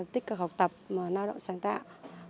tích cực học tập nao động sáng tạo